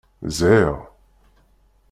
Zhiɣ.